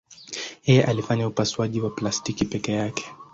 Yeye alifanya upasuaji wa plastiki peke yake.